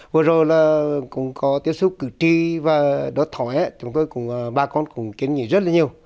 vừa rồi là cũng có tiếp xúc cử tri và đốt thói chúng tôi cũng bà con cũng kiến nghị rất là nhiều